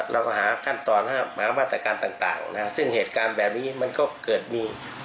เราก็หาขั้นตอนหามาตรการต่างนะฮะซึ่งเหตุการณ์แบบนี้มันก็เกิดมี